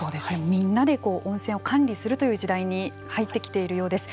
みんなで温泉を管理するという時代に入ってきているようです。